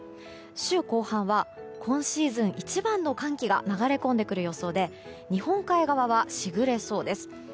週後半は今シーズン一番の寒気が流れ込んでくる予想で日本海側は時雨れそうです。